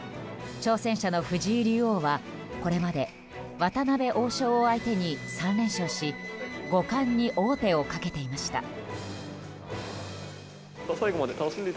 挑戦者の藤井竜王はこれまで渡辺王将を相手に３連勝し五冠に王手をかけていました。